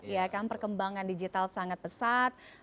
ya kan perkembangan digital sangat pesat